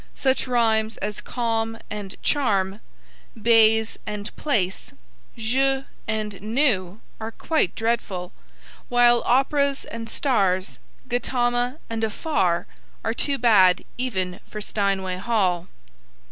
Such rhymes as 'calm' and 'charm,' 'baize' and 'place,' 'jeu' and 'knew,' are quite dreadful, while 'operas' and 'stars,' 'Gautama' and 'afar' are too bad even for Steinway Hall.